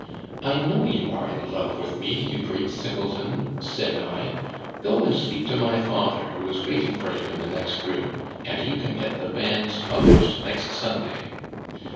" I know you are in love with me, you great simpleton," said I. Go and speak to my father, who is waiting for you in the next room, and you can get the banns published next Sunday.